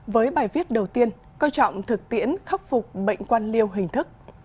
với bài viết đầu tiên coi trọng thực tiễn khắc phục bệnh quan liêu hình thức